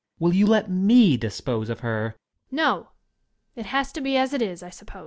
Will you let me dispose of her? Young Lady. No! It has to be as it is, I suppose.